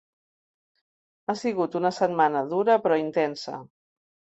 Ha sigut una setmana dura però intensa.